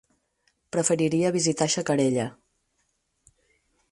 Preferiria visitar Xacarella.